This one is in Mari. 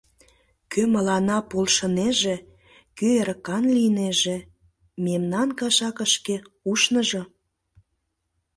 Кӧ мыланна полшынеже, кӧ эрыкан лийнеже — мемнан кашакышке ушныжо!